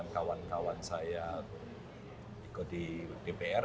sembilan puluh sembilan kawan kawan saya ikut di dpr